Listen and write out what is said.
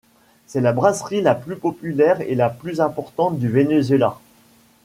C'est la brasserie la plus populaire et la plus importante du Venezuela.